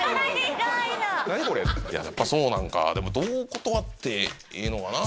「何これ？」ってやっぱそうなんかでもどう断っていいのかな